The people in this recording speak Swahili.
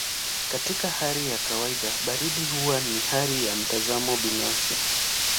Katika hali ya kawaida baridi huwa ni hali ya mtazamo binafsi.